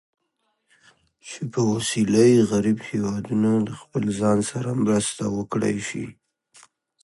چې په وسیله یې غریب هېوادونه د خپل ځان سره مرسته وکړای شي.